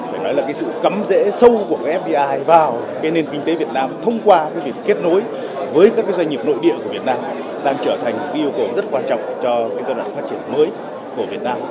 phải nói là sự cấm rễ sâu của fdi vào nền kinh tế việt nam thông qua việc kết nối với các doanh nghiệp nội địa của việt nam đang trở thành một yêu cầu rất quan trọng cho giai đoạn phát triển mới của việt nam